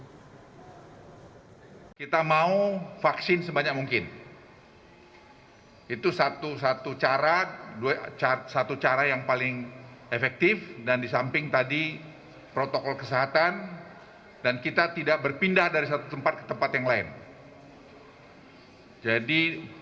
menko luhut fasilitas vaksin di pelabuhan udara dan laut ditargetkan untuk memberi vaksinasi kepada seluruh masyarakat yang datang